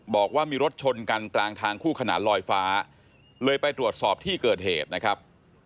บอกว่ามีรถชนกันกลางทางคู่ขนานลอยฟ้าเลยไปตรวจสอบที่เกิดเหตุนะครับ